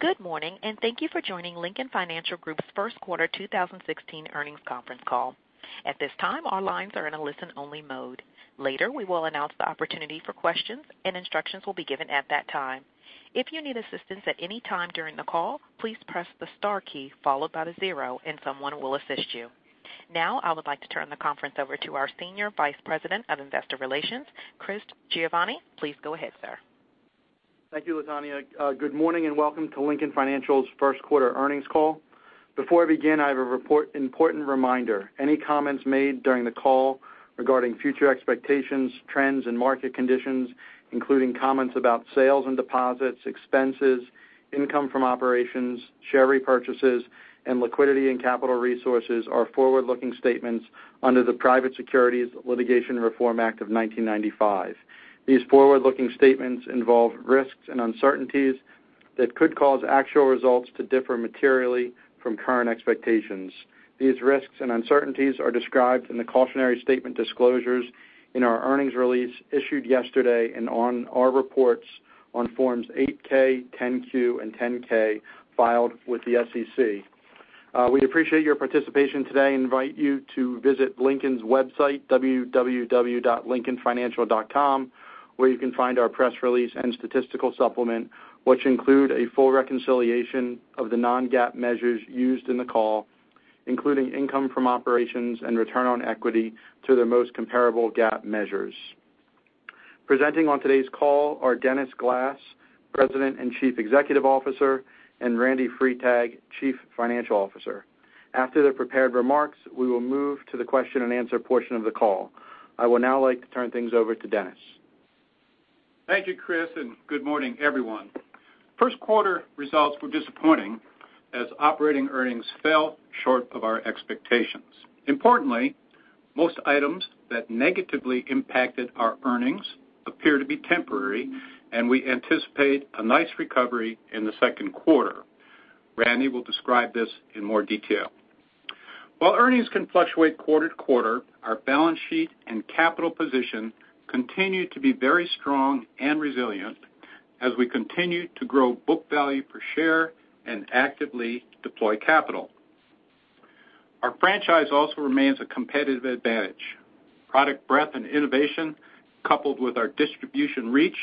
Good morning, and thank you for joining Lincoln Financial Group's first quarter 2016 earnings conference call. At this time, our lines are in a listen-only mode. Later, we will announce the opportunity for questions, and instructions will be given at that time. If you need assistance at any time during the call, please press the star key followed by the zero, and someone will assist you. Now, I would like to turn the conference over to our Senior Vice President of Investor Relations, Christopher Giovanni. Please go ahead, sir. Thank you, LaTanya. Good morning and welcome to Lincoln Financial's first-quarter earnings call. Before I begin, I have an important reminder. Any comments made during the call regarding future expectations, trends, and market conditions, including comments about sales and deposits, expenses, income from operations, share repurchases, and liquidity and capital resources are forward-looking statements under the Private Securities Litigation Reform Act of 1995. These forward-looking statements involve risks and uncertainties that could cause actual results to differ materially from current expectations. These risks and uncertainties are described in the cautionary statement disclosures in our earnings release issued yesterday and on our reports on forms 8-K, 10-Q, and 10-K filed with the SEC. We appreciate your participation today and invite you to visit Lincoln's website, www.lincolnfinancial.com, where you can find our press release and statistical supplement, which include a full reconciliation of the non-GAAP measures used in the call, including income from operations and return on equity to their most comparable GAAP measures. Presenting on today's call are Dennis Glass, President and Chief Executive Officer, and Randy Freitag, Chief Financial Officer. After their prepared remarks, we will move to the question and answer portion of the call. I would now like to turn things over to Dennis. Thank you, Chris, and good morning, everyone. First quarter results were disappointing as operating earnings fell short of our expectations. Importantly, most items that negatively impacted our earnings appear to be temporary, and we anticipate a nice recovery in the second quarter. Randy will describe this in more detail. While earnings can fluctuate quarter to quarter, our balance sheet and capital position continue to be very strong and resilient as we continue to grow book value per share and actively deploy capital. Our franchise also remains a competitive advantage. Product breadth and innovation, coupled with our distribution reach,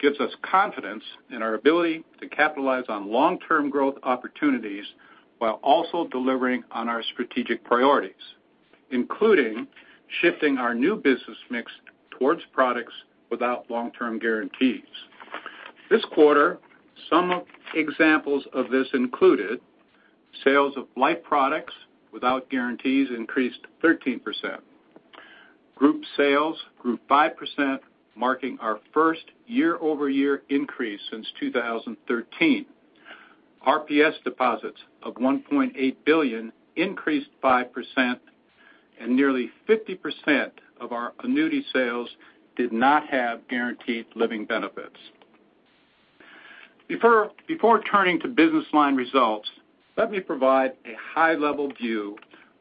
gives us confidence in our ability to capitalize on long-term growth opportunities while also delivering on our strategic priorities, including shifting our new business mix towards products without long-term guarantees. This quarter, some examples of this included sales of life products without guarantees increased 13%. Group sales grew 5%, marking our first year-over-year increase since 2013. RPS deposits of $1.8 billion increased 5%, and nearly 50% of our annuity sales did not have guaranteed living benefits. Before turning to business line results, let me provide a high-level view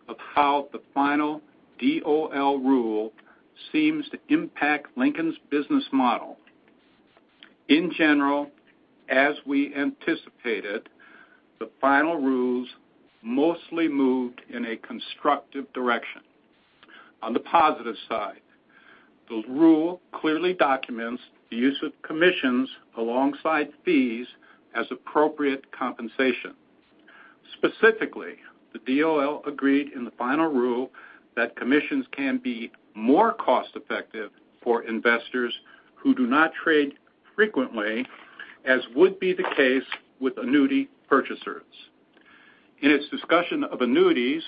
of how the final DOL rule seems to impact Lincoln's business model. In general, as we anticipated, the final rules mostly moved in a constructive direction. On the positive side, the rule clearly documents the use of commissions alongside fees as appropriate compensation. Specifically, the DOL agreed in the final rule that commissions can be more cost-effective for investors who do not trade frequently, as would be the case with annuity purchasers. In its discussion of annuities,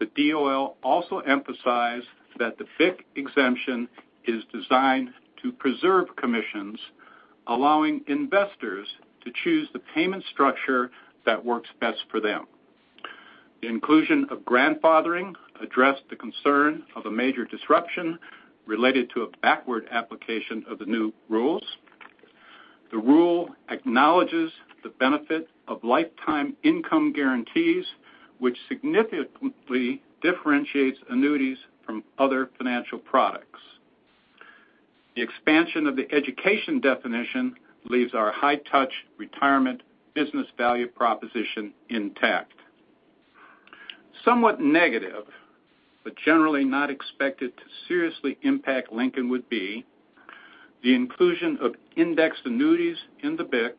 the DOL also emphasized that the BIC exemption is designed to preserve commissions, allowing investors to choose the payment structure that works best for them. The inclusion of grandfathering addressed the concern of a major disruption related to a backward application of the new rules. The rule acknowledges the benefit of lifetime income guarantees, which significantly differentiates annuities from other financial products. The expansion of the education definition leaves our high-touch retirement business value proposition intact. Generally not expected to seriously impact Lincoln would be the inclusion of indexed annuities in the BIC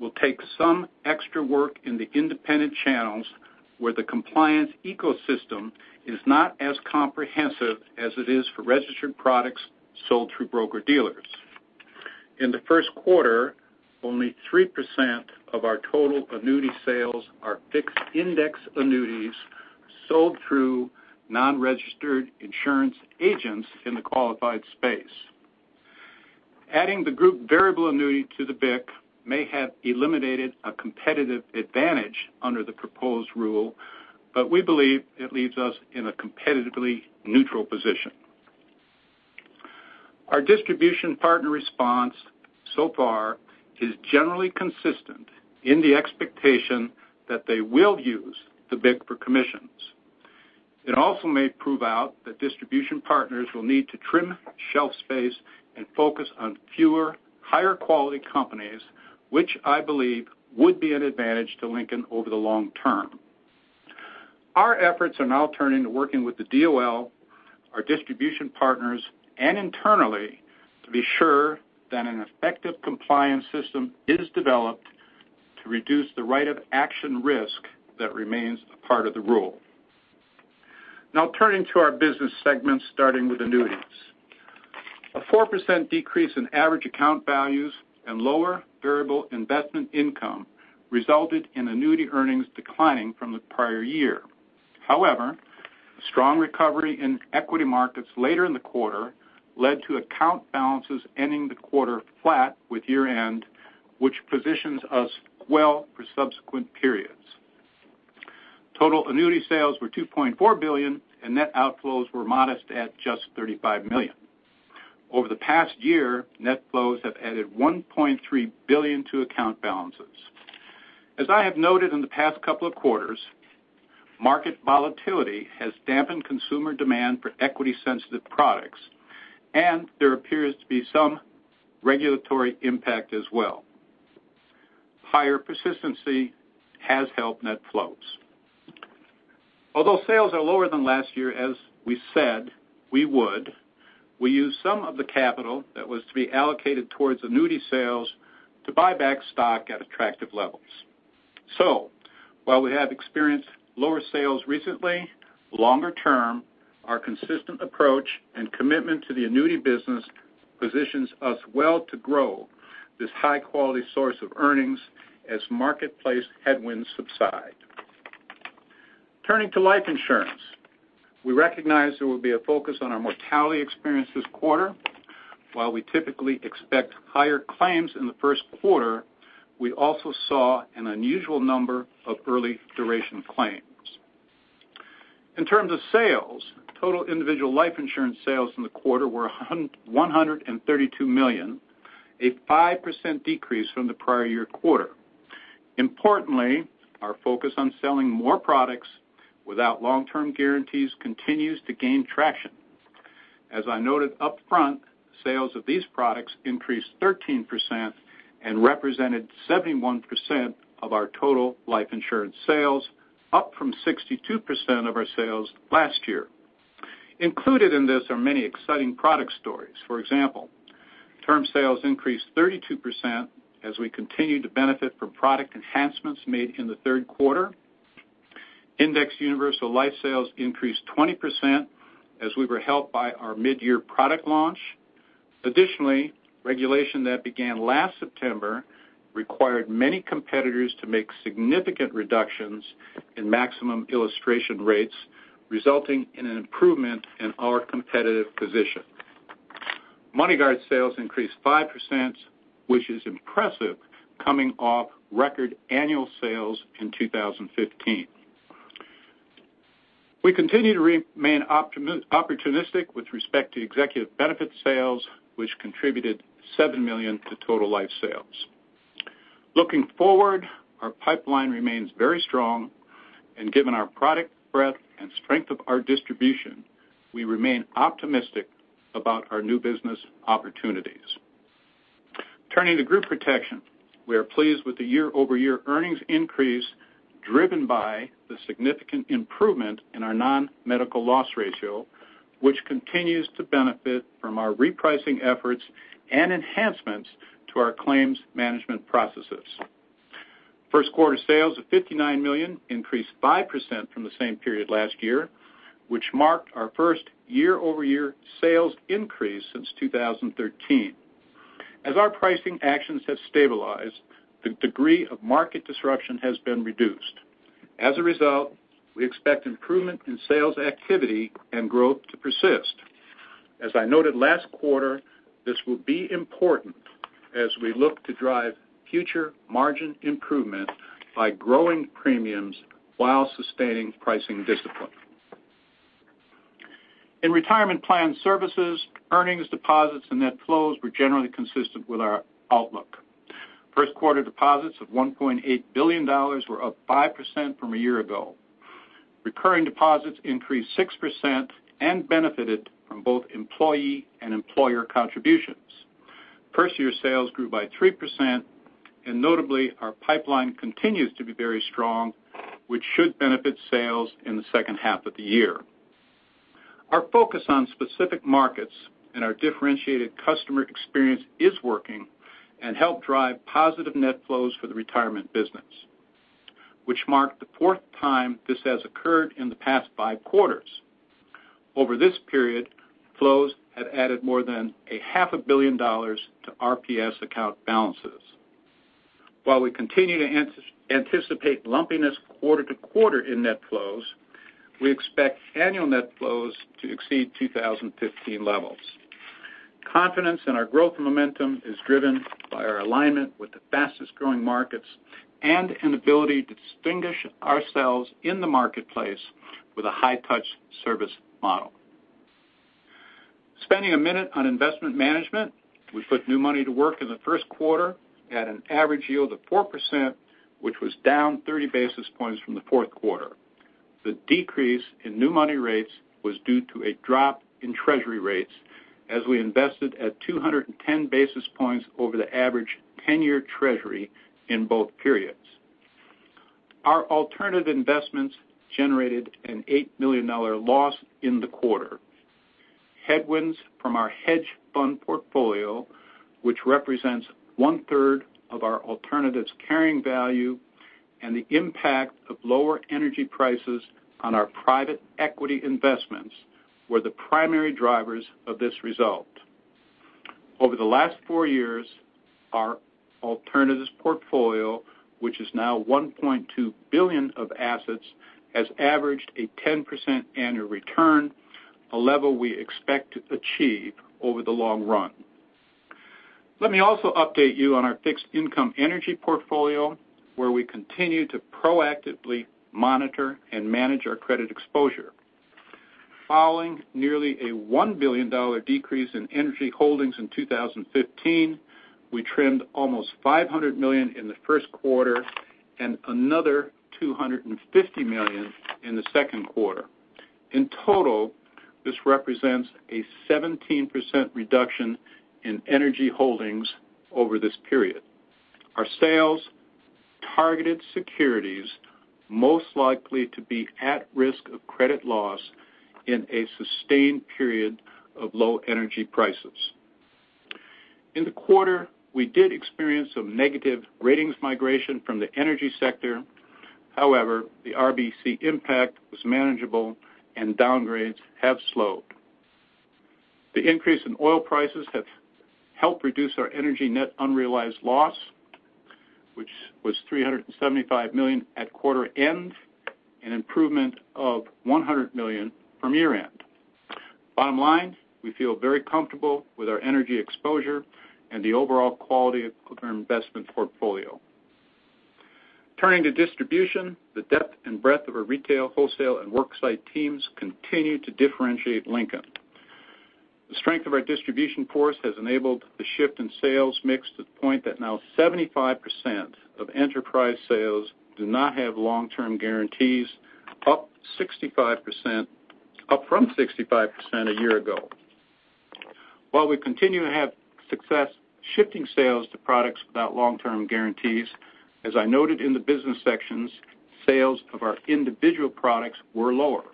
will take some extra work in the independent channels where the compliance ecosystem is not as comprehensive as it is for registered products sold through broker-dealers. In Q1, only 3% of our total annuity sales are fixed-indexed annuities sold through non-registered insurance agents in the qualified space. Adding the group variable annuity to the BIC may have eliminated a competitive advantage under the proposed rule, but we believe it leaves us in a competitively neutral position. Our distribution partner response so far is generally consistent in the expectation that they will use the BIC for commissions. It also may prove out that distribution partners will need to trim shelf space and focus on fewer, higher quality companies, which I believe would be an advantage to Lincoln over the long term. Our efforts are now turning to working with the DOL, our distribution partners, and internally to be sure that an effective compliance system is developed to reduce the right of action risk that remains a part of the rule. Turning to our business segments, starting with annuities. A 4% decrease in average account values and lower variable investment income resulted in annuity earnings declining from the prior year. However, strong recovery in equity markets later in the quarter led to account balances ending the quarter flat with year-end, which positions us well for subsequent periods. Total annuity sales were $2.4 billion and net outflows were modest at just $35 million. Over the past year, net flows have added $1.3 billion to account balances. As I have noted in the past couple of quarters, market volatility has dampened consumer demand for equity-sensitive products, and there appears to be some regulatory impact as well. Higher persistency has helped net flows. Although sales are lower than last year, as we said we would, we used some of the capital that was to be allocated towards annuity sales to buy back stock at attractive levels. While we have experienced lower sales recently, longer term, our consistent approach and commitment to the annuity business positions us well to grow this high-quality source of earnings as marketplace headwinds subside. Turning to life insurance. We recognize there will be a focus on our mortality experience this quarter. While we typically expect higher claims in the first quarter, we also saw an unusual number of early duration claims. In terms of sales, total individual life insurance sales in the quarter were $132 million, a 5% decrease from the prior year quarter. Importantly, our focus on selling more products without long-term guarantees continues to gain traction. As I noted upfront, sales of these products increased 13% and represented 71% of our total life insurance sales, up from 62% of our sales last year. Included in this are many exciting product stories. For example, term sales increased 32% as we continue to benefit from product enhancements made in the third quarter. indexed universal life sales increased 20% as we were helped by our midyear product launch. Additionally, regulation that began last September required many competitors to make significant reductions in maximum illustration rates, resulting in an improvement in our competitive position. MoneyGuard sales increased 5%, which is impressive coming off record annual sales in 2015. We continue to remain opportunistic with respect to Executive Benefits sales, which contributed $7 million to total life sales. Looking forward, our pipeline remains very strong, and given our product breadth and strength of our distribution, we remain optimistic about our new business opportunities. Turning to group protection. We are pleased with the year-over-year earnings increase driven by the significant improvement in our non-medical loss ratio, which continues to benefit from our repricing efforts and enhancements to our claims management processes. First quarter sales of $59 million increased 5% from the same period last year, which marked our first year-over-year sales increase since 2013. As our pricing actions have stabilized, the degree of market disruption has been reduced. As a result, we expect improvement in sales activity and growth to persist. As I noted last quarter, this will be important as we look to drive future margin improvement by growing premiums while sustaining pricing discipline. In Retirement Plan Services, earnings deposits and net flows were generally consistent with our outlook. First quarter deposits of $1.8 billion were up 5% from a year ago. Recurring deposits increased 6% and benefited from both employee and employer contributions. First-year sales grew by 3%. Notably, our pipeline continues to be very strong, which should benefit sales in the second half of the year. Our focus on specific markets and our differentiated customer experience is working and help drive positive net flows for the retirement business, which marked the fourth time this has occurred in the past five quarters. Over this period, flows have added more than a half a billion dollars to RPS account balances. While we continue to anticipate lumpiness quarter to quarter in net flows, we expect annual net flows to exceed 2015 levels. Confidence in our growth momentum is driven by our alignment with the fastest-growing markets and an ability to distinguish ourselves in the marketplace with a high-touch service model. Spending a minute on investment management, we put new money to work in the first quarter at an average yield of 4%, which was down 30 basis points from the fourth quarter. The decrease in new money rates was due to a drop in Treasury rates as we invested at 210 basis points over the average 10-year Treasury in both periods. Our alternative investments generated an $8 million loss in the quarter. Headwinds from our hedge fund portfolio, which represents one-third of our alternatives carrying value, and the impact of lower energy prices on our private equity investments, were the primary drivers of this result. Over the last four years, our alternatives portfolio, which is now $1.2 billion of assets, has averaged a 10% annual return, a level we expect to achieve over the long run. Let me also update you on our fixed-income energy portfolio, where we continue to proactively monitor and manage our credit exposure. Following nearly a $1 billion decrease in energy holdings in 2015, we trimmed almost $500 million in the first quarter and another $250 million in the second quarter. In total, this represents a 17% reduction in energy holdings over this period. Our sales targeted securities most likely to be at risk of credit loss in a sustained period of low energy prices. However, in the quarter, we did experience some negative ratings migration from the energy sector. The RBC impact was manageable and downgrades have slowed. The increase in oil prices have helped reduce our energy net unrealized loss, which was $375 million at quarter end, an improvement of $100 million from year-end. Bottom line, we feel very comfortable with our energy exposure and the overall quality of our investment portfolio. Turning to distribution, the depth and breadth of our retail, wholesale, and worksite teams continue to differentiate Lincoln. The strength of our distribution force has enabled the shift in sales mix to the point that now 75% of enterprise sales do not have long-term guarantees, up from 65% a year ago. While we continue to have success shifting sales to products without long-term guarantees, as I noted in the business sections, sales of our individual products were lower.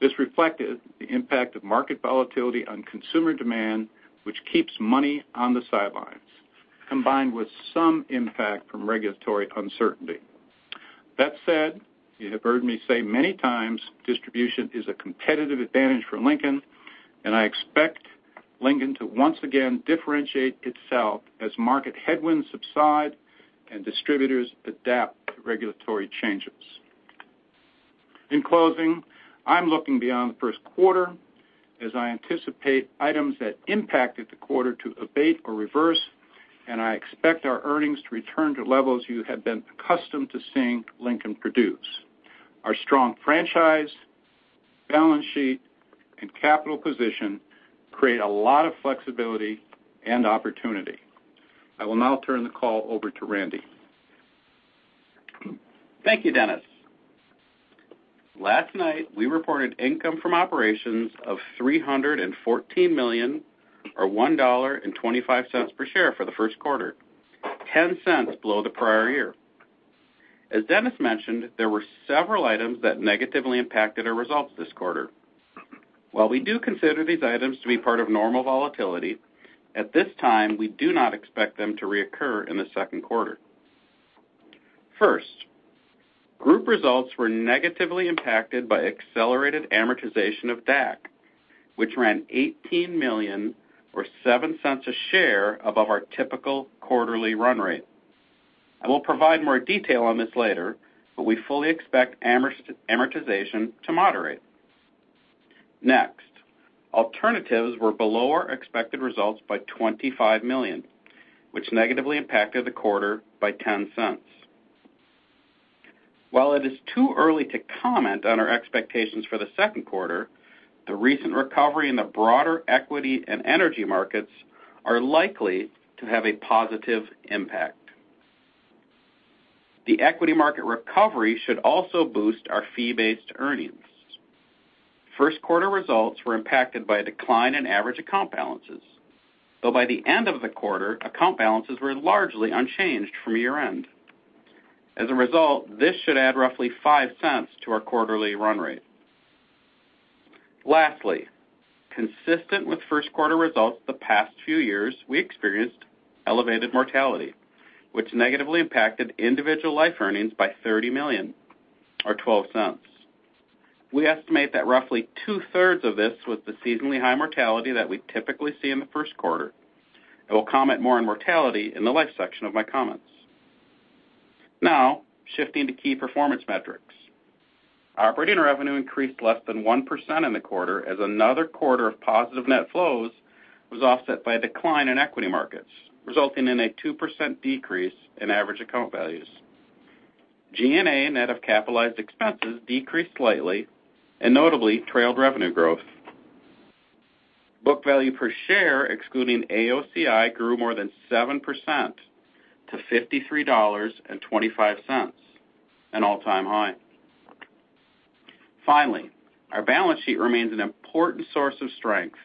This reflected the impact of market volatility on consumer demand, which keeps money on the sidelines, combined with some impact from regulatory uncertainty. That said, you have heard me say many times, distribution is a competitive advantage for Lincoln, and I expect Lincoln to once again differentiate itself as market headwinds subside and distributors adapt to regulatory changes. In closing, I'm looking beyond the first quarter as I anticipate items that impacted the quarter to abate or reverse, and I expect our earnings to return to levels you have been accustomed to seeing Lincoln produce. Our strong franchise, balance sheet, and capital position create a lot of flexibility and opportunity. I will now turn the call over to Randy. Thank you, Dennis. Last night, we reported income from operations of $314 million or $1.25 per share for the first quarter, $0.10 below the prior year. As Dennis mentioned, there were several items that negatively impacted our results this quarter. While we do consider these items to be part of normal volatility, at this time, we do not expect them to reoccur in the second quarter. First, group results were negatively impacted by accelerated amortization of DAC, which ran $18 million or $0.07 a share above our typical quarterly run rate. I will provide more detail on this later, we fully expect amortization to moderate. Next, alternatives were below our expected results by $25 million, which negatively impacted the quarter by $0.10. While it is too early to comment on our expectations for the second quarter, the recent recovery in the broader equity and energy markets are likely to have a positive impact. The equity market recovery should also boost our fee-based earnings. First quarter results were impacted by a decline in average account balances, though by the end of the quarter, account balances were largely unchanged from year-end. As a result, this should add roughly $0.05 to our quarterly run rate. Lastly, consistent with first quarter results the past few years, we experienced elevated mortality, which negatively impacted individual life earnings by $30 million or $0.12. We estimate that roughly two-thirds of this was the seasonally high mortality that we typically see in the first quarter. I will comment more on mortality in the life section of my comments. Shifting to key performance metrics. Operating revenue increased less than 1% in the quarter as another quarter of positive net flows was offset by a decline in equity markets, resulting in a 2% decrease in average account values. G&A net of capitalized expenses decreased slightly, notably trailed revenue growth. Book value per share, excluding AOCI, grew more than 7% to $53.25, an all-time high. Finally, our balance sheet remains an important source of strength,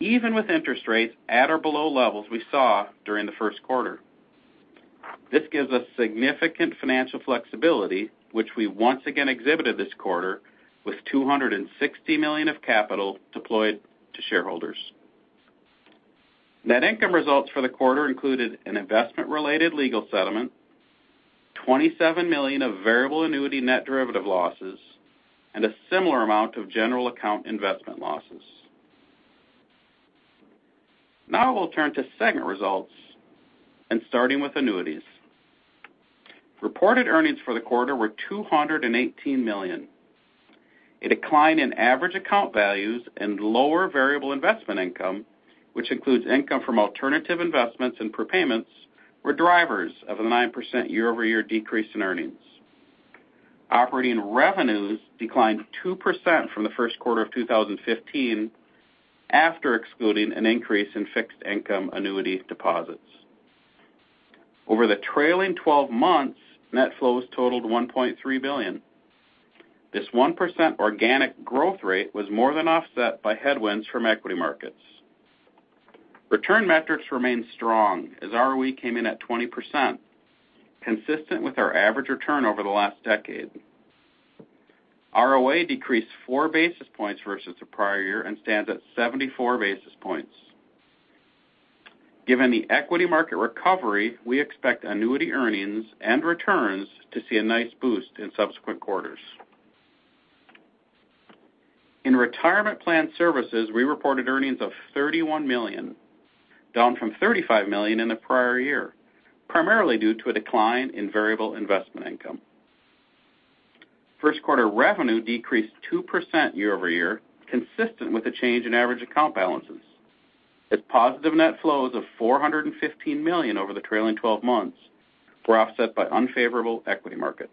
even with interest rates at or below levels we saw during the first quarter. This gives us significant financial flexibility, which we once again exhibited this quarter with $260 million of capital deployed to shareholders. Net income results for the quarter included an investment-related legal settlement, $27 million of variable annuity net derivative losses, and a similar amount of general account investment losses. We'll turn to segment results starting with annuities. Reported earnings for the quarter were $218 million. A decline in average account values and lower variable investment income, which includes income from alternative investments and prepayments, were drivers of the 9% year-over-year decrease in earnings. Operating revenues declined 2% from the first quarter of 2015, after excluding an increase in fixed income annuity deposits. Over the trailing 12 months, net flows totaled $1.3 billion. This 1% organic growth rate was more than offset by headwinds from equity markets. Return metrics remained strong as ROE came in at 20%, consistent with our average return over the last decade. ROA decreased four basis points versus the prior year and stands at 74 basis points. Given the equity market recovery, we expect annuity earnings and returns to see a nice boost in subsequent quarters. In retirement plan services, we reported earnings of $31 million, down from $35 million in the prior year, primarily due to a decline in variable investment income. First quarter revenue decreased 2% year-over-year, consistent with the change in average account balances, as positive net flows of $415 million over the trailing 12 months were offset by unfavorable equity markets.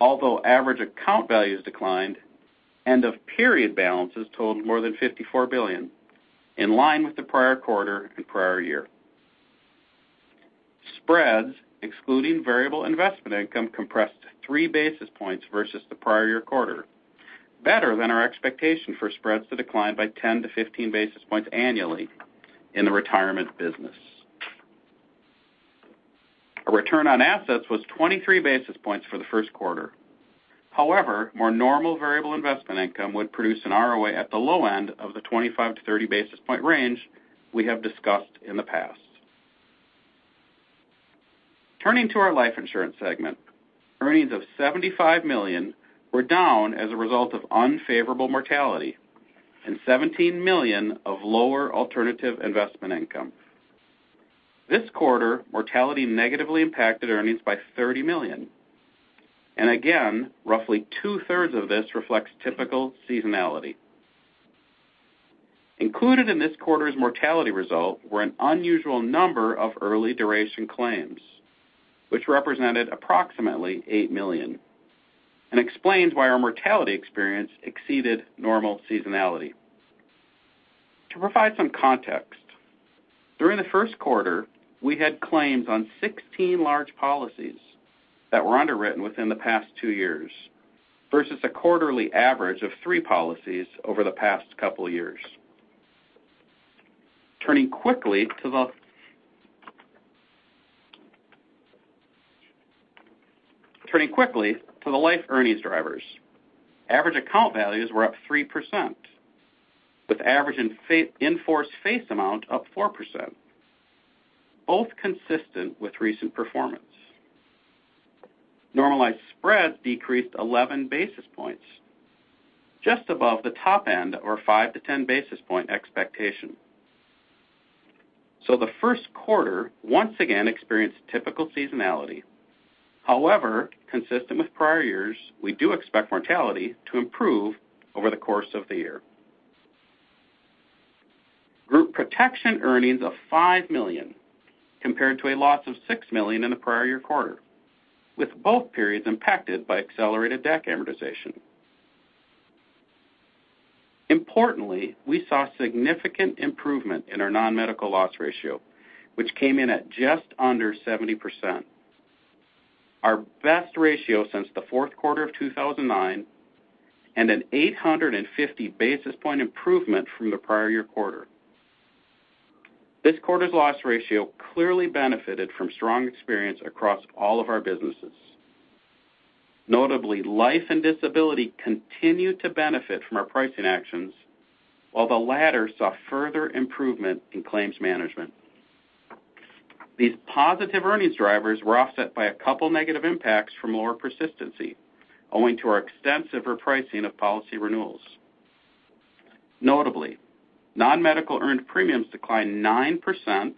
Although average account values declined, end-of-period balances totaled more than $54 billion, in line with the prior quarter and prior year. Spreads, excluding variable investment income, compressed three basis points versus the prior year quarter, better than our expectation for spreads to decline by 10-15 basis points annually in the retirement business. A return on assets was 23 basis points for the first quarter. More normal variable investment income would produce an ROA at the low end of the 25-30 basis point range we have discussed in the past. Turning to our life insurance segment, earnings of $75 million were down as a result of unfavorable mortality and $17 million of lower alternative investment income. This quarter, mortality negatively impacted earnings by $30 million, and again, roughly two-thirds of this reflects typical seasonality. Included in this quarter's mortality result were an unusual number of early duration claims, which represented approximately $8 million and explains why our mortality experience exceeded normal seasonality. To provide some context, during the first quarter, we had claims on 16 large policies that were underwritten within the past two years, versus a quarterly average of three policies over the past couple of years. Turning quickly to the life earnings drivers. Average account values were up 3%, with average in-force face amount up 4%, both consistent with recent performance. Normalized spreads decreased 11 basis points, just above the top end or 5-10 basis point expectation. The first quarter once again experienced typical seasonality. Consistent with prior years, we do expect mortality to improve over the course of the year. Group protection earnings of $5 million compared to a loss of $6 million in the prior year quarter, with both periods impacted by accelerated DAC amortization. Importantly, we saw significant improvement in our non-medical loss ratio, which came in at just under 70%, our best ratio since the fourth quarter of 2009, and an 850 basis point improvement from the prior year quarter. This quarter's loss ratio clearly benefited from strong experience across all of our businesses. Notably, life and disability continued to benefit from our pricing actions, while the latter saw further improvement in claims management. These positive earnings drivers were offset by a couple negative impacts from lower persistency, owing to our extensive repricing of policy renewals. Notably, non-medical earned premiums declined 9%,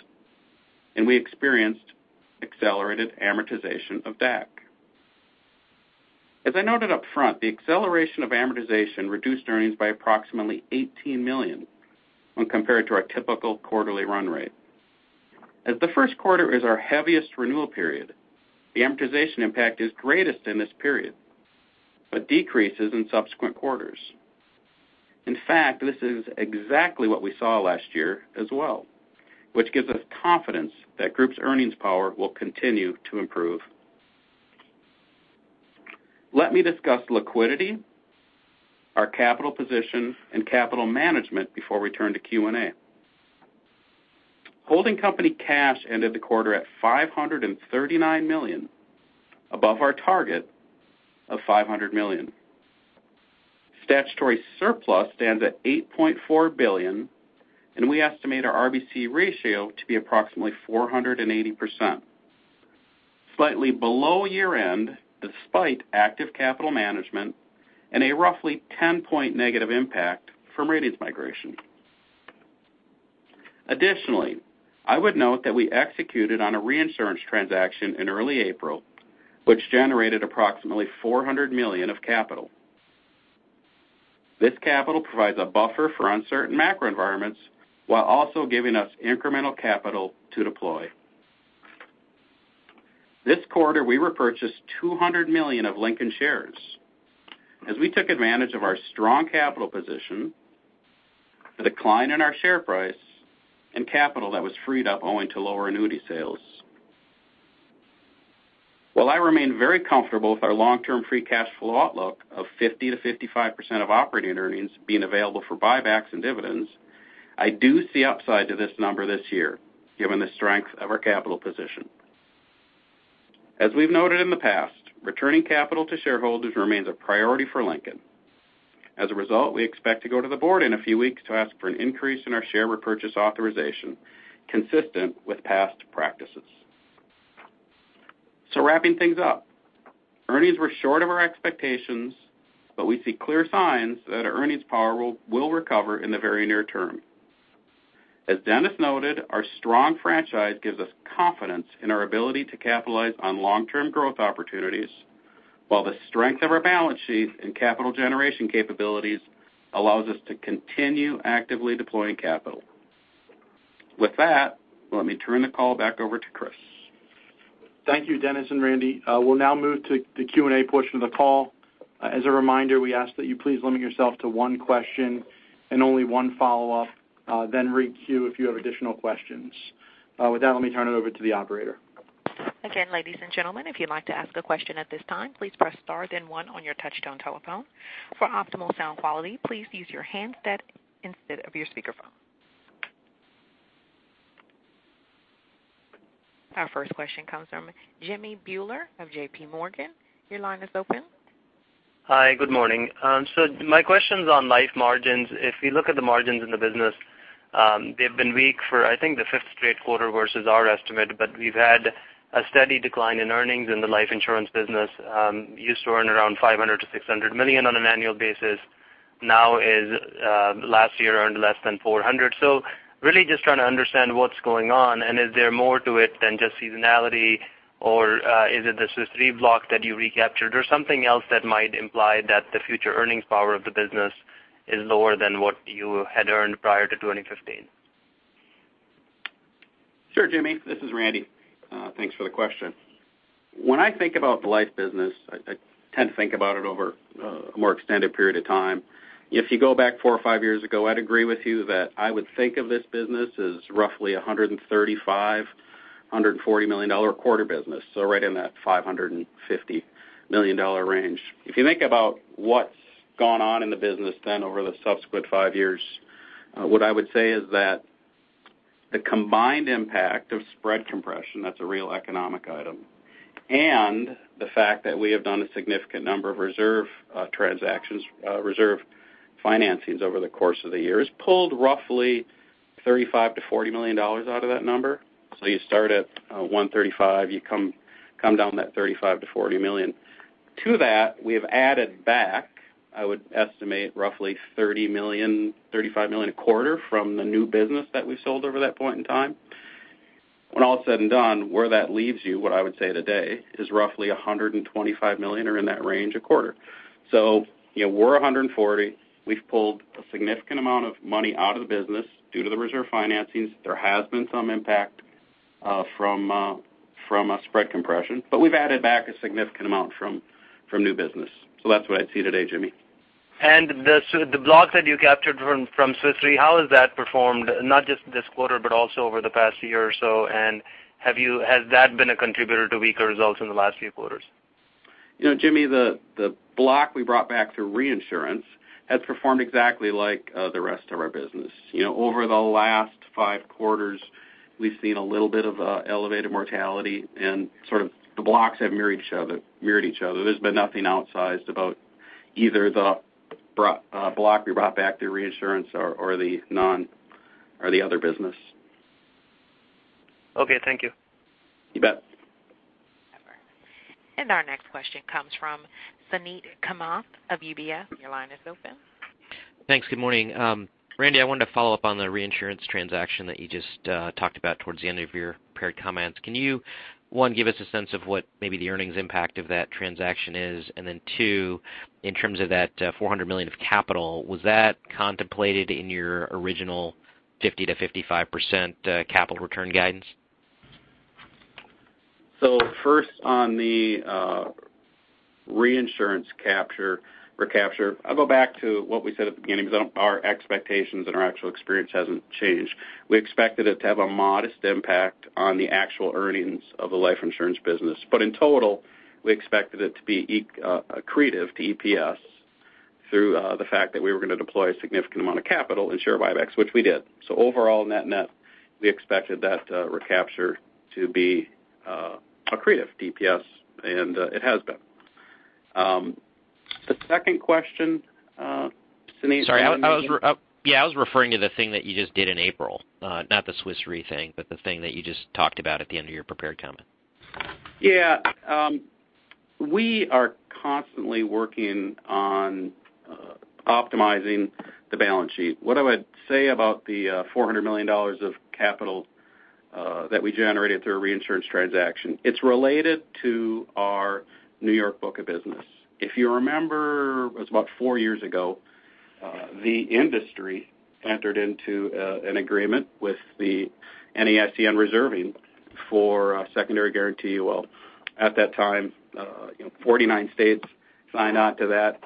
and we experienced accelerated amortization of DAC. As I noted upfront, the acceleration of amortization reduced earnings by approximately $18 million when compared to our typical quarterly run rate. As the first quarter is our heaviest renewal period, the amortization impact is greatest in this period, but decreases in subsequent quarters. In fact, this is exactly what we saw last year as well, which gives us confidence that Group's earnings power will continue to improve. Let me discuss liquidity, our capital position, and capital management before we turn to Q&A. Holding company cash ended the quarter at $539 million, above our target of $500 million. Statutory surplus stands at $8.4 billion, and we estimate our RBC ratio to be approximately 480%, slightly below year-end despite active capital management and a roughly 10-point negative impact from ratings migration. Additionally, I would note that we executed on a reinsurance transaction in early April, which generated approximately $400 million of capital. This capital provides a buffer for uncertain macro environments while also giving us incremental capital to deploy. This quarter, we repurchased $200 billion of Lincoln shares as we took advantage of our strong capital position, the decline in our share price, and capital that was freed up owing to lower annuity sales. While I remain very comfortable with our long-term free cash flow outlook of 50%-55% of operating earnings being available for buybacks and dividends, I do see upside to this number this year, given the strength of our capital position. As we've noted in the past, returning capital to shareholders remains a priority for Lincoln. As a result, we expect to go to the board in a few weeks to ask for an increase in our share repurchase authorization consistent with past practices. Wrapping things up, earnings were short of our expectations, but we see clear signs that our earnings power will recover in the very near term. As Dennis noted, our strong franchise gives us confidence in our ability to capitalize on long-term growth opportunities, while the strength of our balance sheet and capital generation capabilities allows us to continue actively deploying capital. With that, let me turn the call back over to Chris. Thank you, Dennis and Randy. We'll now move to the Q&A portion of the call. As a reminder, we ask that you please limit yourself to one question and only one follow-up. Re-queue if you have additional questions. With that, let me turn it over to the operator. Again, ladies and gentlemen, if you'd like to ask a question at this time, please press star then one on your touchtone telephone. For optimal sound quality, please use your handset instead of your speakerphone. Our first question comes from Hans Buehler of J.P. Morgan. Your line is open. Hi. Good morning. My question's on life margins. If we look at the margins in the business, they've been weak for, I think, the 5th straight quarter versus our estimate. We've had a steady decline in earnings in the life insurance business. Used to earn around $500 million-$600 million on an annual basis. Last year earned less than $400 million. Really just trying to understand what's going on, and is there more to it than just seasonality, or is it the Swiss Re block that you recaptured, or something else that might imply that the future earnings power of the business is lower than what you had earned prior to 2015? Sure, Hans. This is Randy. Thanks for the question. When I think about the life business, I tend to think about it over a more extended period of time. If you go back 4 or 5 years ago, I'd agree with you that I would think of this business as roughly $135 million-$140 million a quarter business. Right in that $550 million range. If you think about what's gone on in the business then over the subsequent 5 years, what I would say is that the combined impact of spread compression, that's a real economic item, and the fact that we have done a significant number of reserve transactions, reserve financings over the course of the year, has pulled roughly $35 million-$40 million out of that number. You start at $135 million, you come down that $35 million-$40 million. To that, we have added back, I would estimate roughly $30 million-$35 million a quarter from the new business that we sold over that point in time. When all is said and done, where that leaves you, what I would say today is roughly $125 million or in that range a quarter. We're $140 million. We've pulled a significant amount of money out of the business due to the reserve financings. There has been some impact from a spread compression, but we've added back a significant amount from new business. That's what I'd see today, Jimmy. The block that you captured from Swiss Re, how has that performed, not just this quarter, but also over the past year or so? Has that been a contributor to weaker results in the last few quarters? Jimmy, the block we brought back through reinsurance has performed exactly like the rest of our business. Over the last five quarters, we've seen a little bit of elevated mortality and sort of the blocks have mirrored each other. There's been nothing outsized about either the block we brought back through reinsurance or the other business. Okay. Thank you. You bet. Our next question comes from Suneet Kamath of UBS. Your line is open. Thanks. Good morning. Randy, I wanted to follow up on the reinsurance transaction that you just talked about towards the end of your prepared comments. Can you, one, give us a sense of what maybe the earnings impact of that transaction is? And then two, in terms of that $400 million of capital, was that contemplated in your original 50%-55% capital return guidance? First, on the reinsurance capture, recapture, I'll go back to what we said at the beginning, because our expectations and our actual experience hasn't changed. We expected it to have a modest impact on the actual earnings of the life insurance business. In total, we expected it to be accretive to EPS through the fact that we were going to deploy a significant amount of capital in share buybacks, which we did. Overall net net, we expected that recapture to be accretive to EPS, and it has been. The second question, Suneet Sorry. Yeah, I was referring to the thing that you just did in April, not the Swiss Re thing, but the thing that you just talked about at the end of your prepared comment. Yeah. We are constantly working on optimizing the balance sheet. What I would say about the $400 million of capital that we generated through a reinsurance transaction, it is related to our New York book of business. If you remember, it was about four years ago, the industry entered into an agreement with the NAIC on reserving for secondary guarantee. Well, at that time, 49 states signed on to that.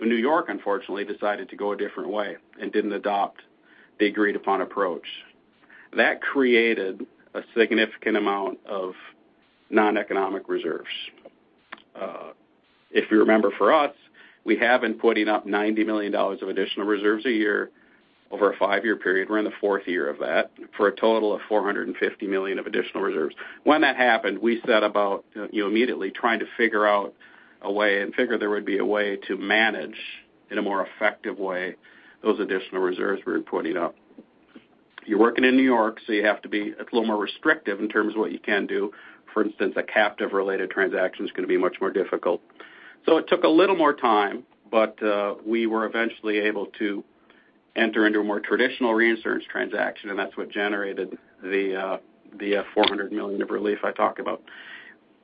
New York, unfortunately, decided to go a different way and did not adopt the agreed-upon approach. That created a significant amount of non-economic reserves. If you remember, for us, we have been putting up $90 million of additional reserves a year over a five-year period, we are in the fourth year of that, for a total of $450 million of additional reserves. When that happened, we set about immediately trying to figure out a way and figure there would be a way to manage in a more effective way those additional reserves we were putting up. You are working in New York, so you have to be a little more restrictive in terms of what you can do. For instance, a captive-related transaction is going to be much more difficult. It took a little more time, but we were eventually able to enter into a more traditional reinsurance transaction, and that is what generated the $400 million of relief I talked about.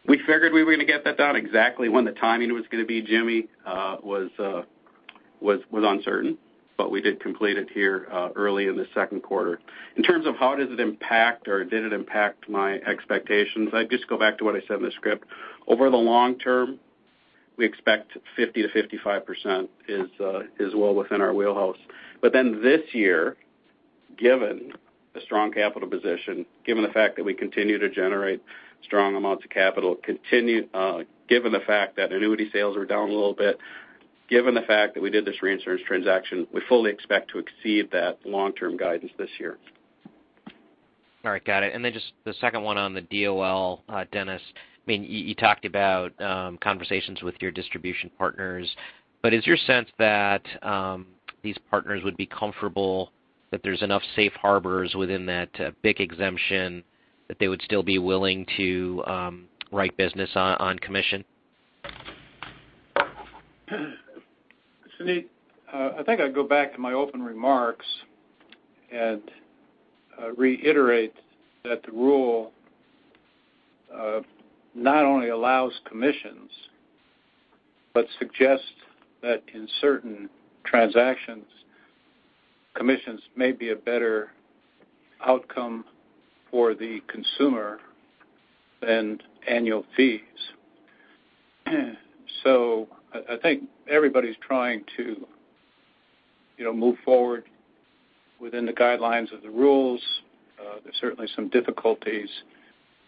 We figured we were going to get that done. Exactly when the timing was going to be, Suneet, was uncertain. We did complete it here early in the second quarter. In terms of how does it impact or did it impact my expectations, I would just go back to what I said in the script. Over the long term, we expect 50%-55% is well within our wheelhouse. This year, given the strong capital position, given the fact that we continue to generate strong amounts of capital, given the fact that annuity sales are down a little bit, given the fact that we did this reinsurance transaction, we fully expect to exceed that long-term guidance this year. All right. Got it. Just the second one on the DOL, Dennis, you talked about conversations with your distribution partners. Is your sense that these partners would be comfortable that there is enough safe harbors within that BIC exemption that they would still be willing to write business on commission? Suneet, I think I'd go back to my open remarks and reiterate that the rule not only allows commissions, but suggests that in certain transactions, commissions may be a better outcome for the consumer than annual fees. I think everybody's trying to move forward within the guidelines of the rules. There's certainly some difficulties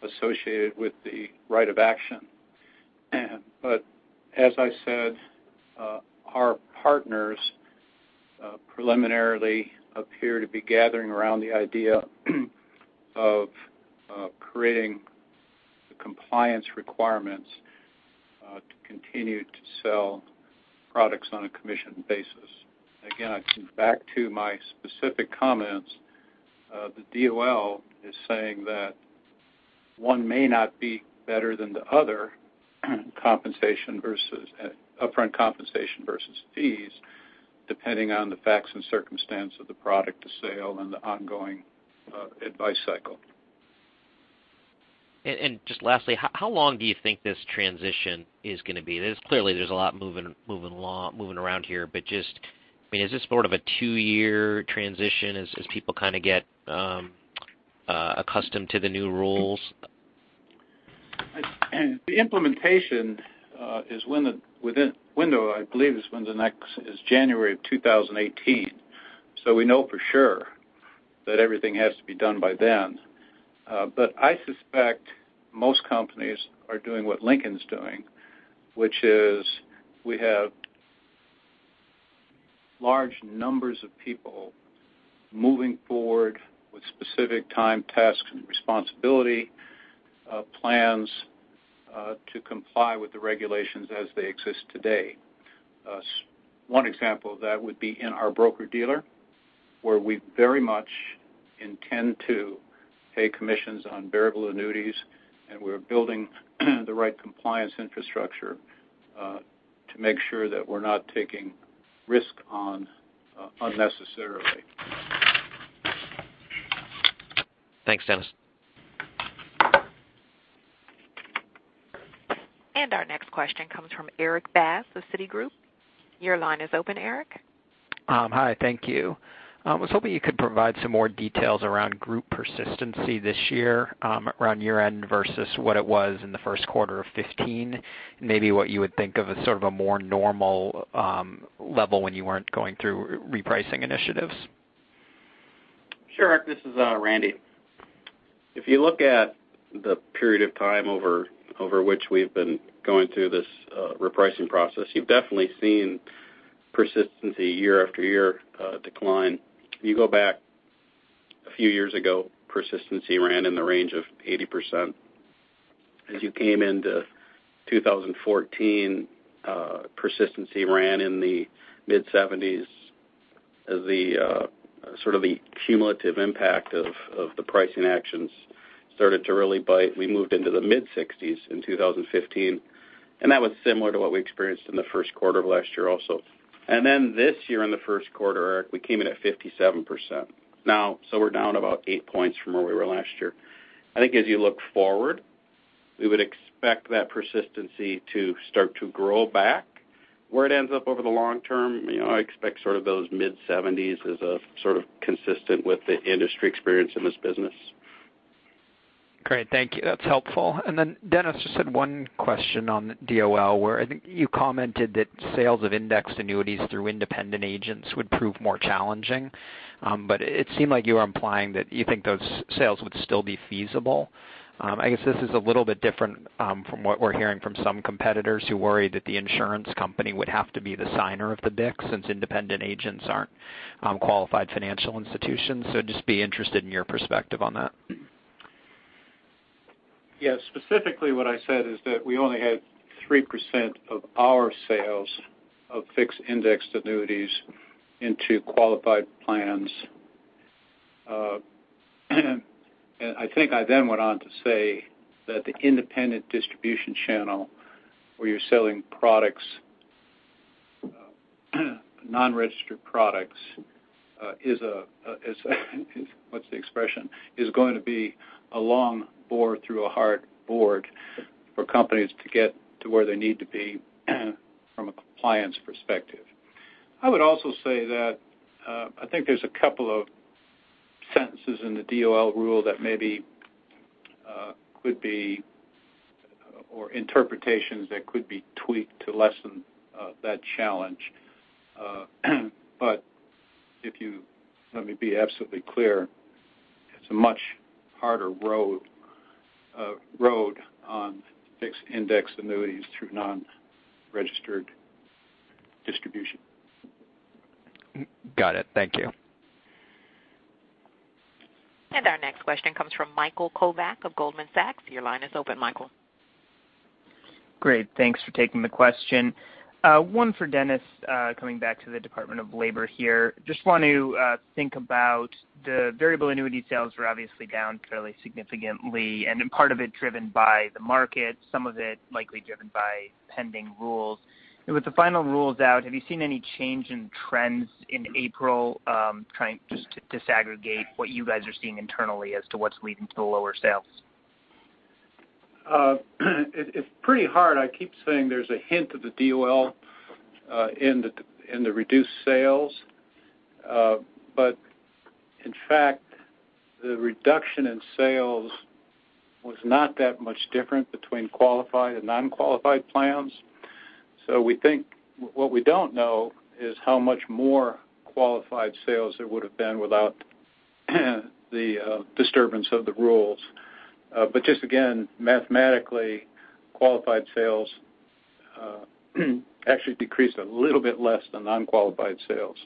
associated with the right of action. As I said, our partners preliminarily appear to be gathering around the idea of creating the compliance requirements to continue to sell products on a commission basis. Again, back to my specific comments, the DOL is saying that one may not be better than the other upfront compensation versus fees, depending on the facts and circumstance of the product, the sale, and the ongoing advice cycle. Just lastly, how long do you think this transition is going to be? Clearly, there's a lot moving around here. Is this sort of a 2-year transition as people kind of get accustomed to the new rules? The implementation window, I believe, is January of 2018. We know for sure that everything has to be done by then. I suspect most companies are doing what Lincoln's doing, which is we have large numbers of people moving forward with specific time tasks and responsibility plans to comply with the regulations as they exist today. One example of that would be in our broker-dealer where we very much intend to pay commissions on variable annuities, and we're building the right compliance infrastructure to make sure that we're not taking risk on unnecessarily. Thanks, Dennis. Our next question comes from Erik Bass with Citigroup. Your line is open, Erik. Hi, thank you. I was hoping you could provide some more details around group persistency this year around year-end versus what it was in the first quarter of 2015, and maybe what you would think of as sort of a more normal level when you weren't going through repricing initiatives. Sure, Erik, this is Randy. If you look at the period of time over which we've been going through this repricing process, you've definitely seen persistency year after year decline. You go back a few years ago, persistency ran in the range of 80%. As you came into 2014, persistency ran in the mid-70s as the cumulative impact of the pricing actions started to really bite. We moved into the mid-60s in 2015, and that was similar to what we experienced in the first quarter of last year also. Then this year in the first quarter, Erik, we came in at 57%. Now, we're down about eight points from where we were last year. I think as you look forward, we would expect that persistency to start to grow back. Where it ends up over the long term, I expect those mid-70s as sort of consistent with the industry experience in this business. Great. Thank you. That's helpful. Dennis, just had one question on the DOL where I think you commented that sales of indexed annuities through independent agents would prove more challenging. It seemed like you were implying that you think those sales would still be feasible. I guess this is a little bit different from what we're hearing from some competitors who worry that the insurance company would have to be the signer of the BICs since independent agents aren't qualified financial institutions. Just be interested in your perspective on that. Yes. Specifically what I said is that we only had 3% of our sales of fixed-indexed annuities into qualified plans. I think I then went on to say that the independent distribution channel, where you're selling non-registered products, what's the expression? Is going to be a long bore through a hard board for companies to get to where they need to be from a compliance perspective. I would also say that I think there's a couple of sentences in the DOL rule or interpretations that could be tweaked to lessen that challenge. If you let me be absolutely clear, it's a much harder road on fixed-indexed annuities through non-registered distribution. Got it. Thank you. Our next question comes from Michael Kovac of Goldman Sachs. Your line is open, Michael. Great. Thanks for taking the question. One for Dennis, coming back to the Department of Labor here. Just want to think about the variable annuity sales were obviously down fairly significantly and part of it driven by the market, some of it likely driven by pending rules. With the final rules out, have you seen any change in trends in April? Trying just to disaggregate what you guys are seeing internally as to what's leading to the lower sales. It's pretty hard. I keep saying there's a hint of the DOL in the reduced sales. In fact, the reduction in sales was not that much different between qualified and non-qualified plans. We think what we don't know is how much more qualified sales there would have been without the disturbance of the rules. Just again, mathematically qualified sales actually decreased a little bit less than non-qualified sales.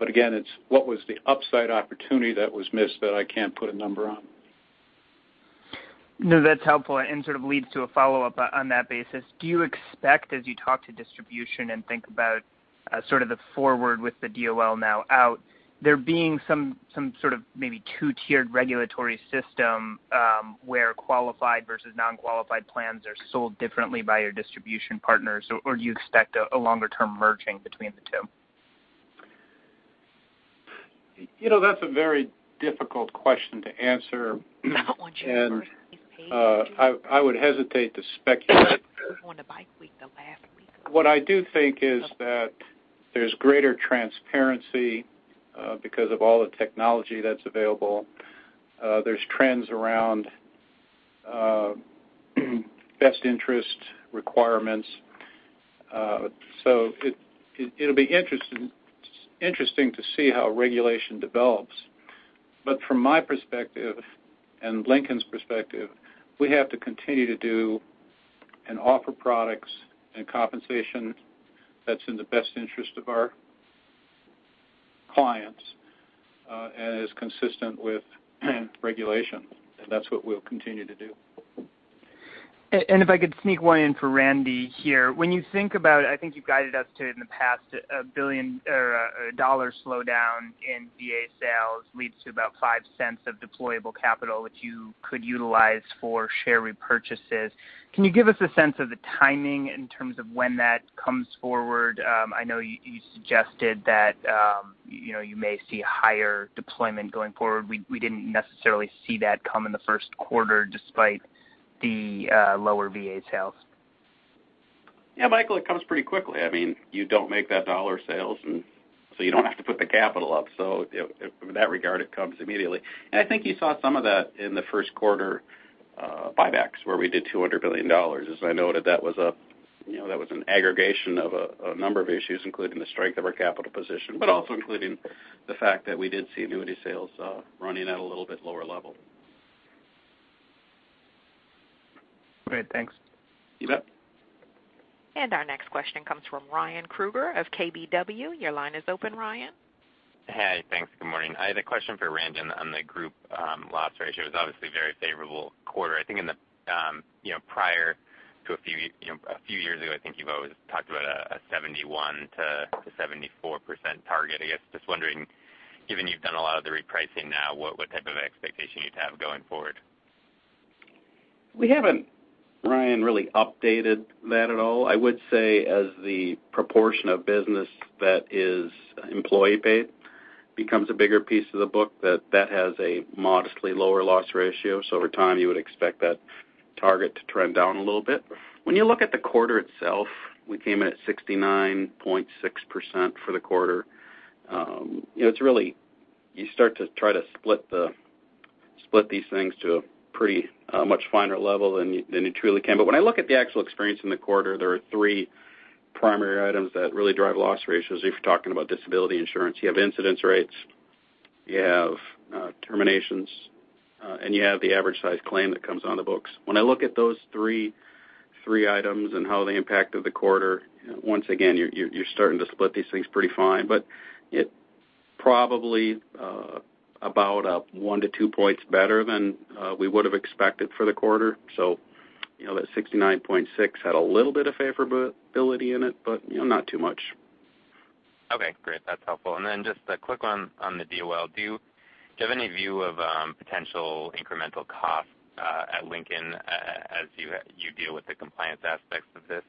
Again, it's what was the upside opportunity that was missed that I can't put a number on. That's helpful and sort of leads to a follow-up on that basis. Do you expect as you talk to distribution and think about sort of the forward with the DOL now out, there being some sort of maybe two-tiered regulatory system, where qualified versus non-qualified plans are sold differently by your distribution partners? Do you expect a longer-term merging between the two? That's a very difficult question to answer. I would hesitate to speculate. What I do think is that there's greater transparency because of all the technology that's available. There's trends around best interest requirements. It'll be interesting to see how regulation develops. From my perspective and Lincoln's perspective, we have to continue to do and offer products and compensation that's in the best interest of our clients, and is consistent with regulation. That's what we'll continue to do. If I could sneak one in for Randy here. When you think about it, I think you've guided us to, in the past, a $1 slowdown in VA sales leads to about $0.05 of deployable capital, which you could utilize for share repurchases. Can you give us a sense of the timing in terms of when that comes forward? I know you suggested that you may see higher deployment going forward. We didn't necessarily see that come in the first quarter despite the lower VA sales. Yeah, Michael, it comes pretty quickly. You don't make that $1 sales, and so you don't have to put the capital up. In that regard, it comes immediately. I think you saw some of that in the first quarter buybacks where we did $200 billion. As I noted, that was an aggregation of a number of issues, including the strength of our capital position, but also including the fact that we did see annuity sales running at a little bit lower level. Great. Thanks. You bet. Our next question comes from Ryan Krueger of KBW. Your line is open, Ryan. Hey, thanks. Good morning. I had a question for Randy on the group loss ratio. It was obviously a very favorable quarter. I think in the prior to a few years ago, I think you've always talked about a 71%-74% target. I guess just wondering, given you've done a lot of the repricing now, what type of expectation you'd have going forward? We haven't, Ryan, really updated that at all. I would say as the proportion of business that is employee-paid becomes a bigger piece of the book, that that has a modestly lower loss ratio. Over time, you would expect that target to trend down a little bit. When you look at the quarter itself, we came in at 69.6% for the quarter. You start to try to split these things to a pretty much finer level than you truly can. When I look at the actual experience in the quarter, there are three primary items that really drive loss ratios. If you're talking about disability insurance, you have incidence rates, you have terminations, and you have the average size claim that comes on the books. When I look at those three items and how they impacted the quarter, once again, you're starting to split these things pretty fine, but it probably about one to two points better than we would have expected for the quarter. That 69.6 had a little bit of favorability in it, but not too much. Okay, great. That's helpful. Then just a quick one on the DOL. Do you have any view of potential incremental cost at Lincoln as you deal with the compliance aspects of this?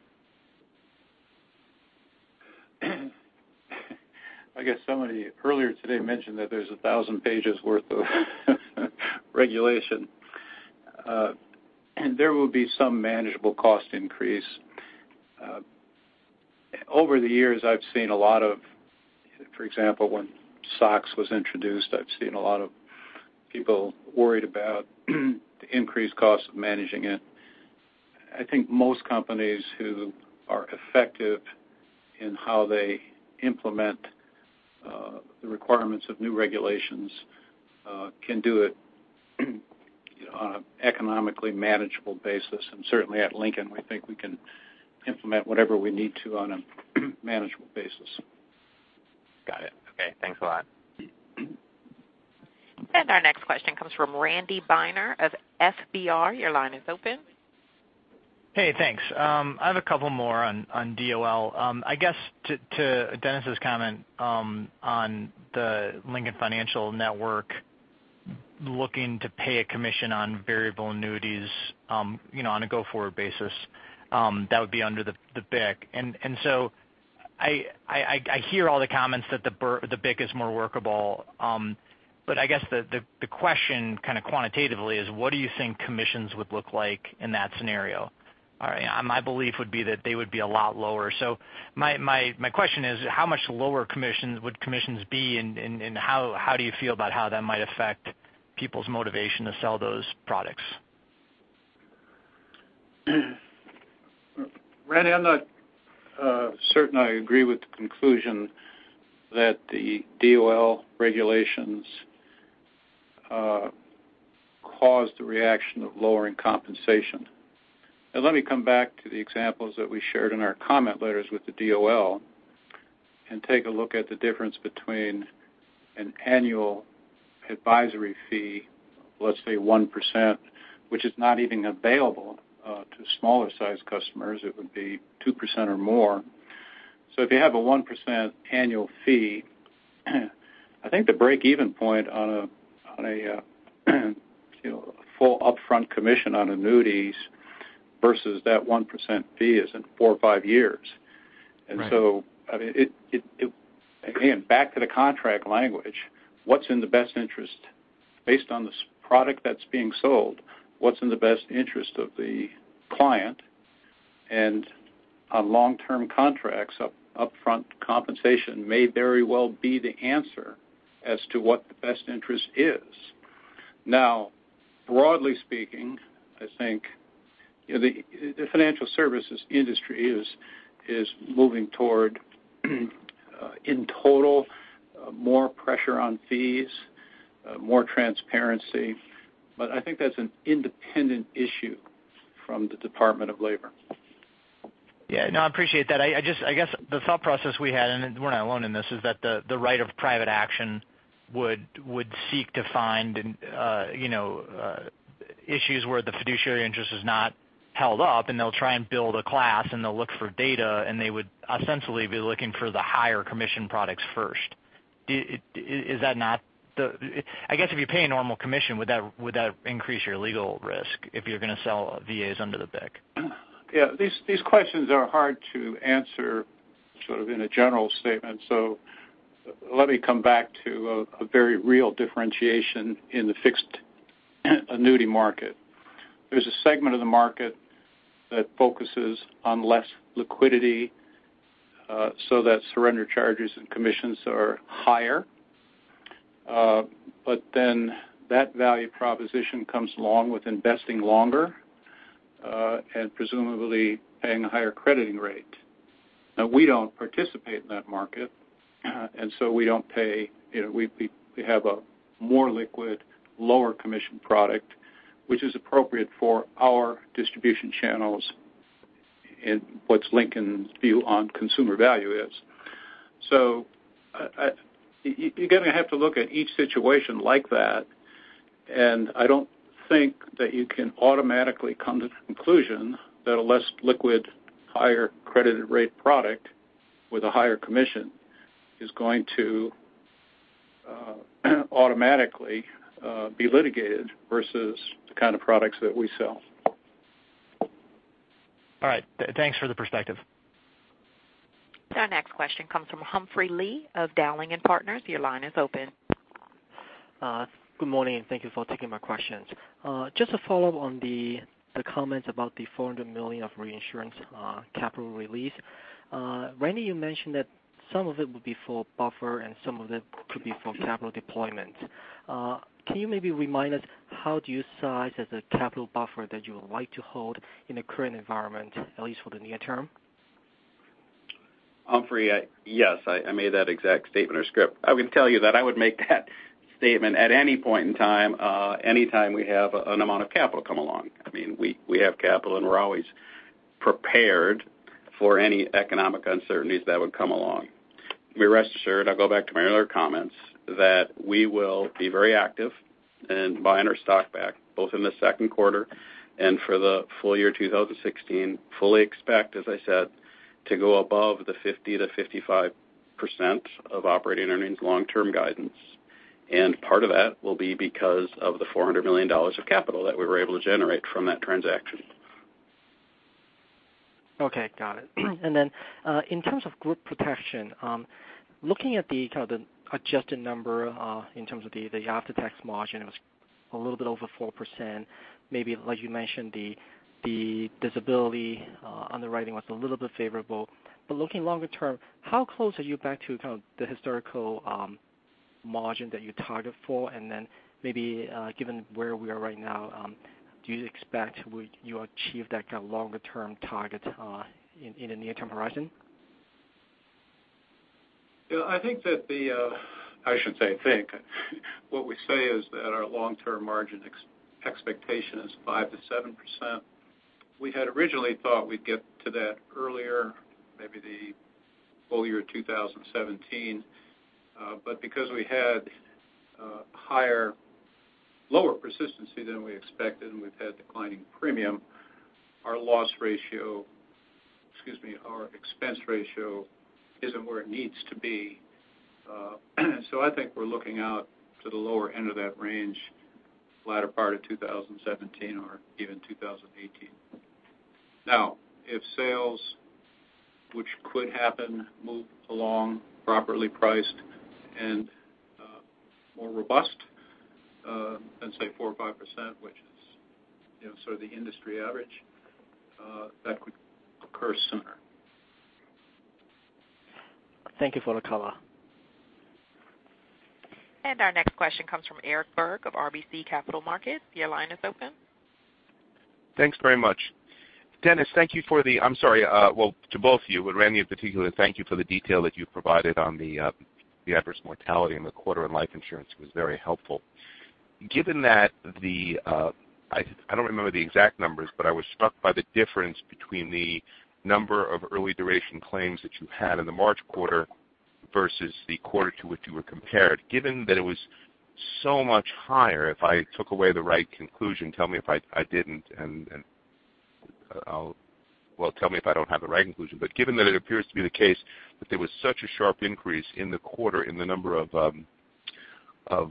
I guess somebody earlier today mentioned that there's a 1,000 pages worth of regulation. There will be some manageable cost increase. Over the years, I've seen a lot of, for example, when SOX was introduced, I've seen a lot of people worried about the increased cost of managing it. I think most companies who are effective in how they implement the requirements of new regulations can do it on an economically manageable basis. Certainly at Lincoln, we think we can implement whatever we need to on a manageable basis. Got it. Okay. Thanks a lot. Our next question comes from Randy Binner of FBR. Your line is open. Hey, thanks. I have a couple more on DOL. I guess to Dennis's comment on the Lincoln Financial Network looking to pay a commission on variable annuities on a go-forward basis, that would be under the BIC. I hear all the comments that the BIC is more workable, I guess the question kind of quantitatively is what do you think commissions would look like in that scenario? My belief would be that they would be a lot lower. My question is, how much lower would commissions be, and how do you feel about how that might affect people's motivation to sell those products? Randy, I'm not certain I agree with the conclusion that the DOL regulations caused a reaction of lowering compensation. Now let me come back to the examples that we shared in our comment letters with the DOL and take a look at the difference between an annual advisory fee, let's say 1%, which is not even available to smaller size customers, it would be 2% or more. If you have a 1% annual fee, I think the break-even point on a full upfront commission on annuities versus that 1% fee is in four or five years. Right. Again, back to the contract language, what's in the best interest based on this product that's being sold? What's in the best interest of the client? And on long-term contracts, upfront compensation may very well be the answer as to what the best interest is. Now, broadly speaking, I think the financial services industry is moving toward, in total, more pressure on fees, more transparency. But I think that's an independent issue from the Department of Labor. Yeah, no, I appreciate that. I guess the thought process we had, and we're not alone in this, is that the right of private action would seek to find issues where the fiduciary interest is not held up, and they'll try and build a class and they'll look for data, and they would ostensibly be looking for the higher commission products first. I guess if you pay a normal commission, would that increase your legal risk if you're going to sell VAs under the BIC? Yeah. These questions are hard to answer sort of in a general statement. Let me come back to a very real differentiation in the fixed annuity market. There's a segment of the market that focuses on less liquidity so that surrender charges and commissions are higher. That value proposition comes along with investing longer and presumably paying a higher crediting rate. Now, we don't participate in that market. We have a more liquid, lower commission product, which is appropriate for our distribution channels and what Lincoln's view on consumer value is. You're going to have to look at each situation like that, and I don't think that you can automatically come to the conclusion that a less liquid, higher credited rate product with a higher commission is going to automatically be litigated versus the kind of products that we sell. All right. Thanks for the perspective. Our next question comes from Humphrey Lee of Dowling & Partners. Your line is open. Good morning. Thank you for taking my questions. Just a follow-up on the comments about the $400 million of reinsurance capital release. Randy, you mentioned that some of it would be for buffer and some of it could be for capital deployment. Can you maybe remind us how do you size as a capital buffer that you would like to hold in the current environment, at least for the near term? Humphrey, yes, I made that exact statement or script. I can tell you that I would make that statement at any point in time, anytime we have an amount of capital come along. We have capital, and we're always prepared for any economic uncertainties that would come along. Be rest assured, I'll go back to my earlier comments, that we will be very active in buying our stock back, both in the second quarter and for the full year 2016. Fully expect, as I said, to go above the 50%-55% of operating earnings long-term guidance. Part of that will be because of the $400 million of capital that we were able to generate from that transaction. Okay, got it. Then, in terms of group protection, looking at the kind of the adjusted number in terms of the after-tax margin, it was a little bit over 4%. Maybe like you mentioned, the disability underwriting was a little bit favorable. Looking longer term, how close are you back to kind of the historical margin that you target for? Then maybe, given where we are right now, do you expect you achieve that kind of longer-term target in the near-term horizon? I shouldn't say think. What we say is that our long-term margin expectation is 5%-7%. We had originally thought we'd get to that earlier, maybe the full year 2017. Because we had lower persistency than we expected, and we've had declining premium, our expense ratio isn't where it needs to be. I think we're looking out to the lower end of that range latter part of 2017 or even 2018. If sales, which could happen, move along properly priced and more robust than, say, 4% or 5%, which is sort of the industry average, that could occur sooner. Thank you for the color. Our next question comes from Eric Berg of RBC Capital Markets. Your line is open. Thanks very much. Dennis, I'm sorry. Well, to both of you, but Randy in particular, thank you for the detail that you provided on the adverse mortality in the quarter in life insurance was very helpful. I don't remember the exact numbers, but I was struck by the difference between the number of early duration claims that you had in the March quarter versus the quarter to which you were compared. Given that it was so much higher, if I took away the right conclusion, tell me if I didn't, and well, tell me if I don't have the right conclusion. Given that it appears to be the case that there was such a sharp increase in the quarter in the number of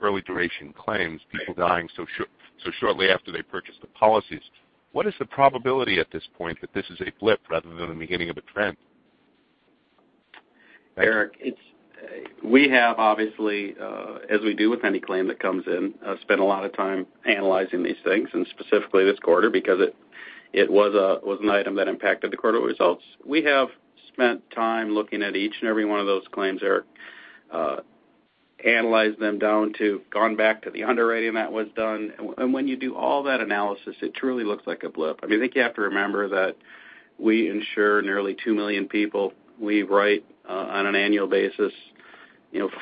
early duration claims, people dying so shortly after they purchased the policies, what is the probability at this point that this is a blip rather than the beginning of a trend? Eric, we have obviously, as we do with any claim that comes in, spent a lot of time analyzing these things, and specifically this quarter, because it was an item that impacted the quarter results. We have spent time looking at each and every one of those claims, Eric, analyzed them down to gone back to the underwriting that was done. When you do all that analysis, it truly looks like a blip. I think you have to remember that we insure nearly 2 million people. We write on an annual basis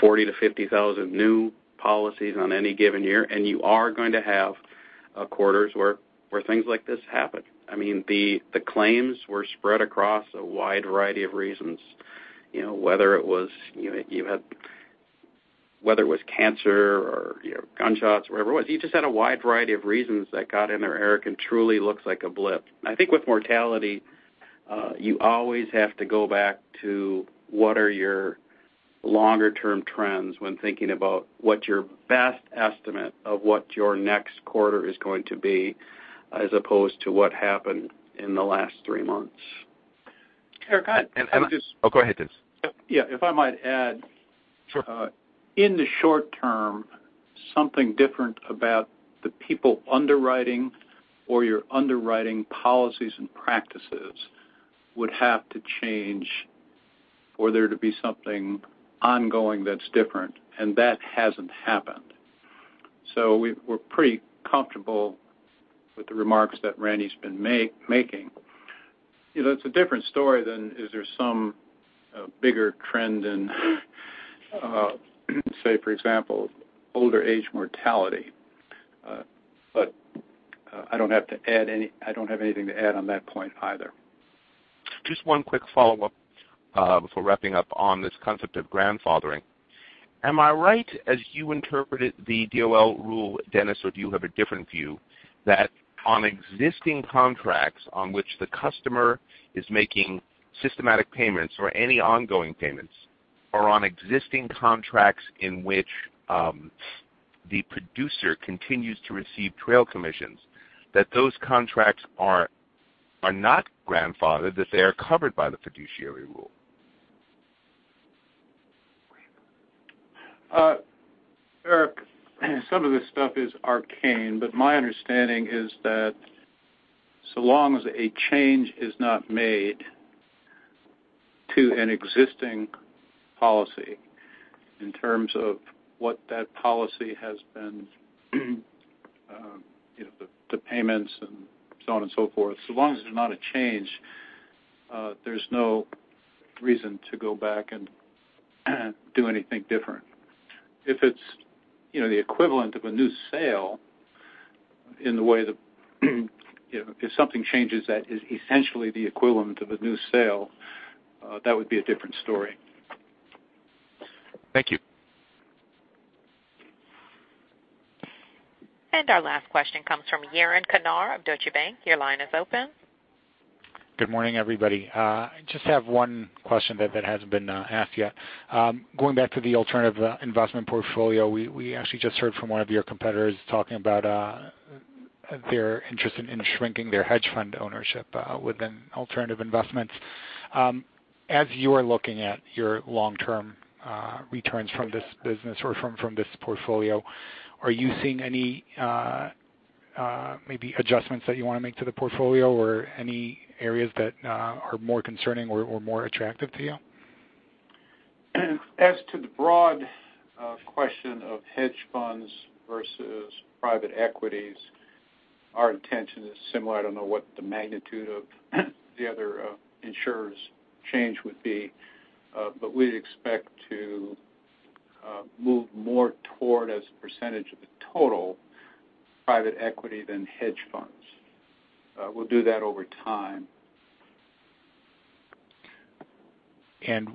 40,000 to 50,000 new policies on any given year, and you are going to have quarters where things like this happen. The claims were spread across a wide variety of reasons, whether it was cancer or gunshots, whatever it was. You just had a wide variety of reasons that got in there, Eric, and truly looks like a blip. I think with mortality, you always have to go back to what are your longer-term trends when thinking about what your best estimate of what your next quarter is going to be, as opposed to what happened in the last three months. Eric, can I- Oh, go ahead, Dennis. Yeah. If I might add- Sure in the short term, something different about the people underwriting or your underwriting policies and practices would have to change for there to be something ongoing that's different, and that hasn't happened. We're pretty comfortable with the remarks that Randy's been making. It's a different story than, is there some bigger trend in, say, for example, older age mortality. I don't have anything to add on that point either. Just one quick follow-up before wrapping up on this concept of grandfathering. Am I right, as you interpreted the DOL rule, Dennis, or do you have a different view, that on existing contracts on which the customer is making systematic payments or any ongoing payments, or on existing contracts in which the producer continues to receive trail commissions, that those contracts are not grandfathered, that they are covered by the fiduciary rule? Eric, some of this stuff is arcane, my understanding is that so long as a change is not made to an existing policy in terms of what that policy has been, the payments and so on and so forth. Long as there's not a change, there's no reason to go back and do anything different. If it's the equivalent of a new sale in the way that if something changes that is essentially the equivalent of a new sale, that would be a different story. Thank you. Our last question comes from Yaron Kinar of Deutsche Bank. Your line is open. Good morning, everybody. I just have one question that hasn't been asked yet. Going back to the alternative investment portfolio, we actually just heard from one of your competitors talking about their interest in shrinking their hedge fund ownership within alternative investments. As you are looking at your long-term returns from this business or from this portfolio, are you seeing any maybe adjustments that you want to make to the portfolio or any areas that are more concerning or more attractive to you? As to the broad question of hedge funds versus private equities, our intention is similar. I don't know what the magnitude of the other insurer's change would be, but we'd expect to move more toward, as a percentage of the total, private equity than hedge funds. We'll do that over time.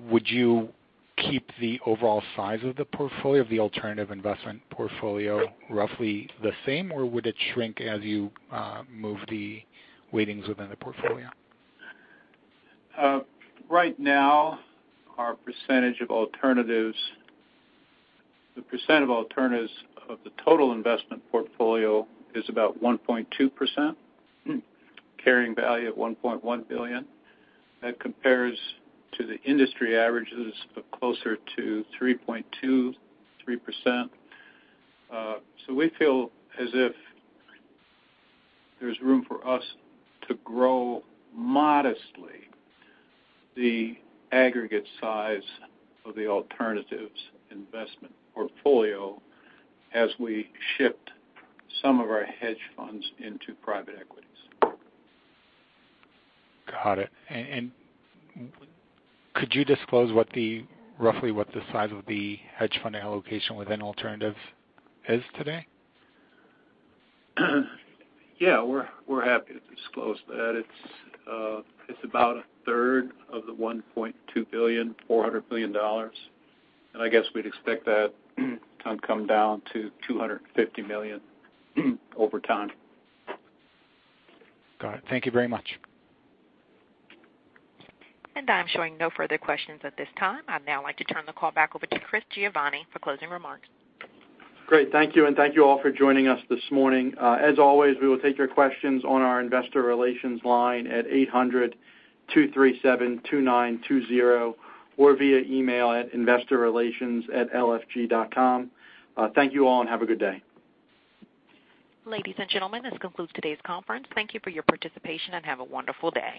Would you keep the overall size of the portfolio, of the alternative investment portfolio, roughly the same, or would it shrink as you move the weightings within the portfolio? Right now, our percentage of alternatives of the total investment portfolio is about 1.2%, carrying value of $1.1 billion. That compares to the industry averages of closer to 3.2%, 3%. We feel as if there's room for us to grow modestly the aggregate size of the alternatives investment portfolio as we shift some of our hedge funds into private equities. Got it. Could you disclose roughly what the size of the hedge fund allocation within alternatives is today? Yeah. We're happy to disclose that. It's about a third of the $1.2 billion, $400 million. I guess we'd expect that to come down to $250 million over time. Got it. Thank you very much. I'm showing no further questions at this time. I'd now like to turn the call back over to Christopher Giovanni for closing remarks. Great. Thank you, and thank you all for joining us this morning. As always, we will take your questions on our investor relations line at 800-237-2920 or via email at investorrelations@lfg.com. Thank you all, and have a good day. Ladies and gentlemen, this concludes today's conference. Thank you for your participation, and have a wonderful day.